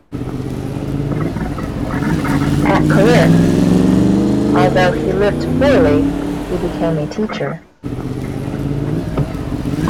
At Corinth, although he lived poorly, he became a teacher.